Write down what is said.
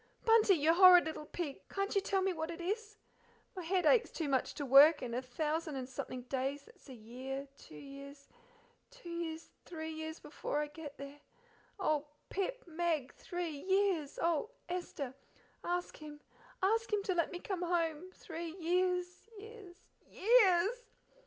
Bunty, you horrid little pig, can't you, tell me what it is? My head aches too much to work, and a thousand and something days that's a year two years two years three years before I get there. Oh, Pip, Meg, three years! oh, Esther! ask him, ask him to let me come home! Three years years years!"